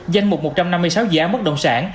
danh mục một trăm năm mươi sáu dự án bất động sản